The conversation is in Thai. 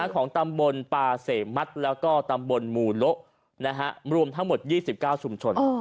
ของตำบลปาเสมัติแล้วก็ตำบลหมู่โละรวมทั้งหมด๒๙ชุมชน